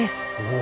お！